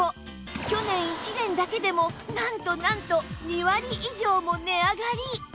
去年１年だけでもなんとなんと２割以上も値上がり！